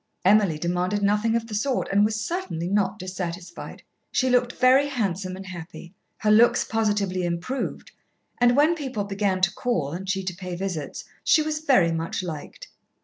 Emily demanded nothing of the sort, and was certainly not dissatisfied. She looked very handsome and happy. Her looks positively improved, and when people began to call and she to pay visits, she was very much liked.